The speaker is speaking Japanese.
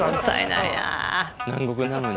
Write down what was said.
南国なのに。